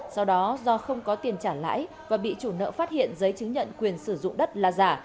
sau đó do không có tiền trả lãi và bị chủ nợ phát hiện giấy chứng nhận quyền sử dụng đất là giả